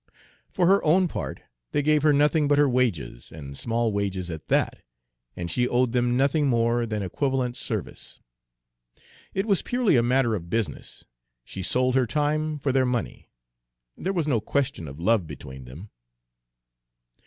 For her own part, they gave her nothing but her wages, and small wages at that, and she owed them nothing more than equivalent service. It was purely a matter of business; she sold her time for their money. There was no question of love between them.